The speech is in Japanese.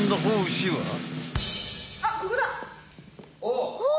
お！